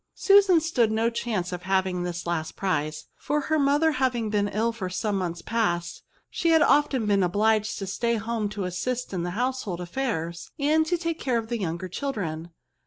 Susan stood no chance of having this last prize ; for her mother having been ill for some months past, she had often been obliged .240 ¥ERB8. to stay at home to assist in the household affairs^ and to take care of the yoiuiger chil dren.